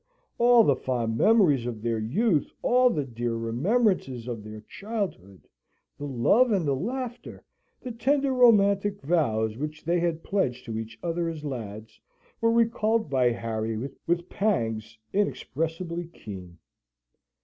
All the fond memories of their youth, all the dear remembrances of their childhood, the love and the laughter, the tender romantic vows which they had pledged to each other as lads, were recalled by Harry with pangs inexpressibly keen.